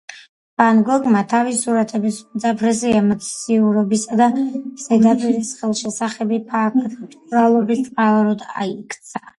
ვან გოგმა თავისი სურათების უმძაფრესი ემოციურობისა და ზედაპირის ხელშესახები ფაქტურულობის წყაროდ აქცია.